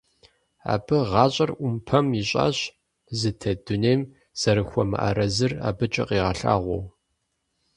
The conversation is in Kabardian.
Абы гъащӀэр Ӏумпэм ищӀащ, зытет дунейм зэрыхуэмыарэзыр абыкӀэ къигъэлъагъуэу.